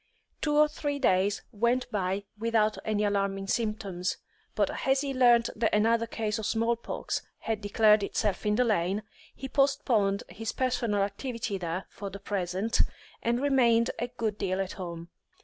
Two or three days went by without any alarming symptoms, but as he learnt that another case of small pox had declared itself in the Lane, he postponed his personal activity there for the present, and remained a good deal at home.